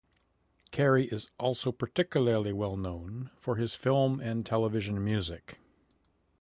Cary is also particularly well known for his film and television music.